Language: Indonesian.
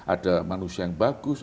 ada manusia yang bagus